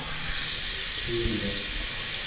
tú vivirás